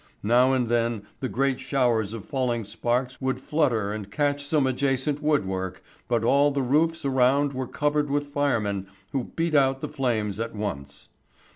Now and then the great showers of falling sparks would flutter and catch some adjacent woodwork but all the roofs around were covered with firemen who beat out the flames at once.